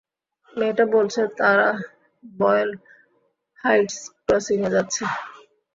মেয়েটা বলছে তারা বয়েল হাইটস ক্রসিংয়ে যাচ্ছে।